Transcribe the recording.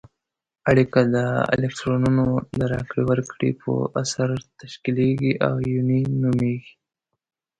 اړیکه چې د الکترونونو د راکړې ورکړې په اثر تشکیلیږي آیوني نومیږي.